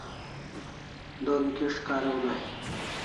Don kish kariu day